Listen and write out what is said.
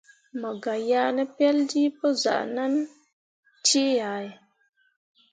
Mo gah yeah ne peljii pə zahʼnan cee ahe.